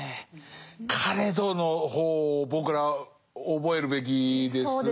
「かれど」の方を僕ら覚えるべきですね。